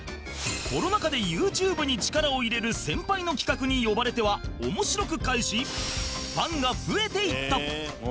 コロナ禍でユーチューブに力を入れる先輩の企画に呼ばれては面白く返しファンが増えていった